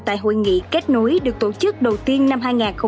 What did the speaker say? tại hội nghị kết nối được tổ chức đầu tiên năm hai nghìn một mươi hai